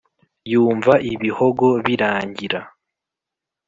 yumva ibihogo birangira